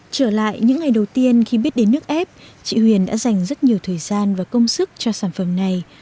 trở lại những ngày đầu tiên khi biết đến nước ép chị huyền đã dành rất nhiều thời gian và công sức cho sản phẩm này